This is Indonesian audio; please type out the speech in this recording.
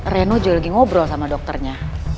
reno juga lagi ngobrol sama dokternya